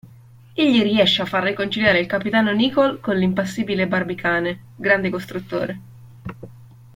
Egli riesce a far riconciliare il capitano Nicholl con l'impassibile Barbicane, grande costruttore.